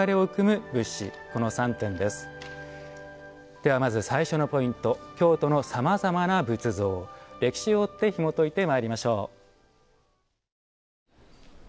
では、まず最初のポイント「京都のさまざまな仏像」歴史を追ってひもといてまいりましょう。